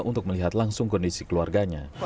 untuk melihat langsung kondisi keluarganya